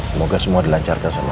semoga semua dilancarkan sama omah